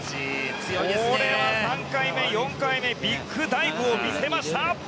これは３回目、４回目とビッグダイブを見せました。